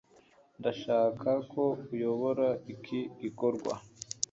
ndashaka ko uyobora iki gikorwa